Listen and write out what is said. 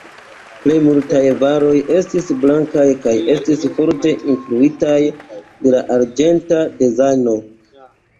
Plej multaj varoj estis blankaj kaj estis forte influitaj de arĝenta dezajno.